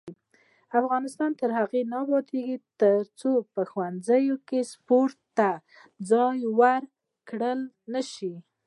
افغانستان تر هغو نه ابادیږي، ترڅو په ښوونځیو کې سپورت ته ځای ورکړل نشي.